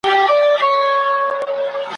د غرڅه په څېر پخپله دام ته لویږي `